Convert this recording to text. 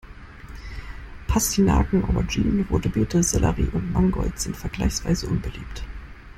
Pastinaken, Auberginen, rote Beete, Sellerie und Mangold sind vergleichsweise unbeliebt.